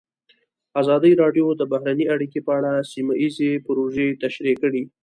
ازادي راډیو د بهرنۍ اړیکې په اړه سیمه ییزې پروژې تشریح کړې.